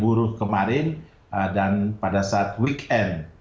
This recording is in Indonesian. buruh kemarin dan pada saat weekend